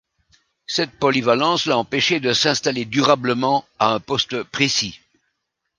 Cette polyvalence l'a empêché de s'installer durablement à un poste précis.